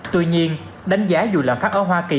tuy nhiên đánh giá dù lạm phát ở hoa kỳ